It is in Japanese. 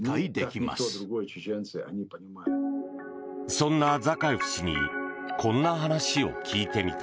そんなザカエフ氏にこんな話を聞いてみた。